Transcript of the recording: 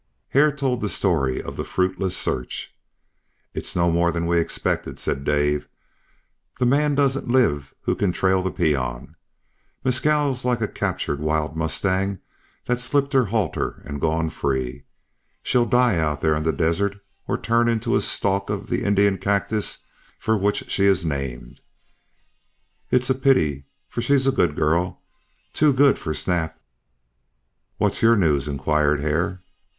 Hare told the story of the fruitless search. "It's no more than we expected," said Dave. "The man doesn't live who can trail the peon. Mescal's like a captured wild mustang that's slipped her halter and gone free. She'll die out there on the desert or turn into a stalk of the Indian cactus for which she's named. It's a pity, for she's a good girl, too good for Snap." "What's your news?" inquired Hare.